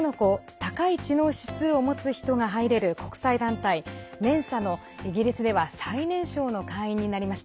高い知能指数を持つ人の国際団体ＭＥＮＳＡのイギリスで最年少の会員が誕生しました。